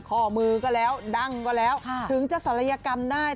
ข้อมือก็แล้วดั้งก็แล้วถึงจะศัลยกรรมได้